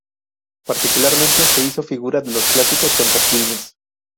Particularmente, se hizo figura de los clásicos contra Quilmes.